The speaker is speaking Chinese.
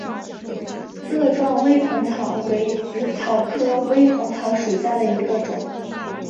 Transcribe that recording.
萼状微孔草为紫草科微孔草属下的一个种。